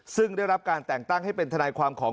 ซึ่งได้รับการแต่งตั้งให้เป็นทนายความของ